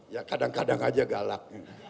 ya kadang kadang aja galak